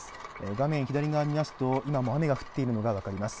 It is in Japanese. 画面左側見ますと、今も雨が降っているのが分かります。